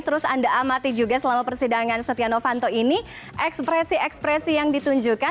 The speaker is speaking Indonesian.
terus anda amati juga selama persidangan setia novanto ini ekspresi ekspresi yang ditunjukkan